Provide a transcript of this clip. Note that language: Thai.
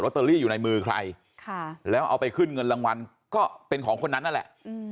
เตอรี่อยู่ในมือใครแล้วเอาไปขึ้นเงินรางวัลก็เป็นของคนนั้นนั่นแหละ